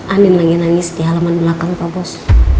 andin lagi nangis di halaman belakang pak bos